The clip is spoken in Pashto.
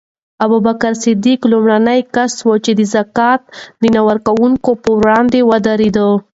ابوبکر صدیق لومړنی کس و چې د زکات د نه ورکوونکو پر وړاندې ودرېد.